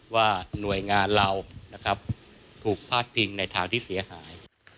ว่าหน่วยงานเรานะครับถูกพาดพิงในทางที่เสียหาย